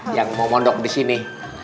yang mau mondok disini